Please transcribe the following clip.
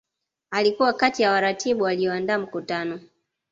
Alikuwa kati ya waratibu walioandaa mkutano